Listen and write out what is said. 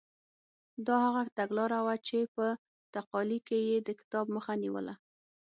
دا هغه تګلاره وه چې په تقالي کې یې د کتاب مخه نیوله.